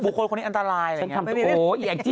บุคคลคนนี้อันตรายอย่างนี้